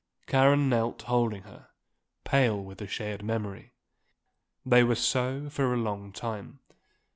Karen knelt holding her, pale with the shared memory. They were so for a long time.